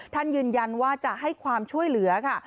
ท่านยืนยันว่าจะให้ความช่วยเหลือค่ะ